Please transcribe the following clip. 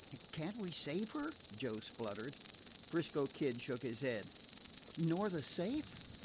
"Can't we save her?" Joe spluttered. 'Frisco Kid shook his head. "Nor the safe?"